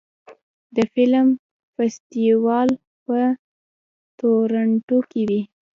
د فلم فستیوال په تورنټو کې وي.